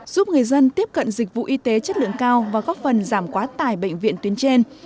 giúp người dân tiếp cận dịch vụ y tế chất lượng cao và góp phần giảm quá tải bệnh viện tuyến trên